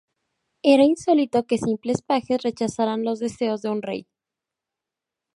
Era insólito que simples pajes rechazaran los deseos de un rey.